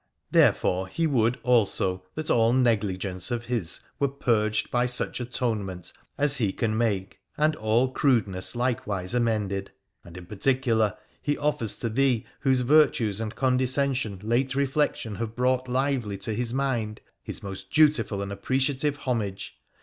Therefore he would also that all negligence of his were purged by such atonement as he can make, and all crudeness likeivise amended. And in particular he offers to thee, whose virtues and condescension late reflection have brought lively to his mind, his most dutiful and appreciative homage.